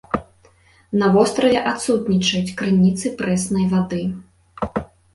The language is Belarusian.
На востраве адсутнічаюць крыніцы прэснай вады.